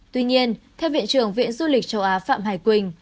tuy nhiên theo viện trưởng viện du lịch châu á phạm hải quỳnh